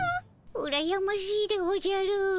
うらやましいでおじゃる。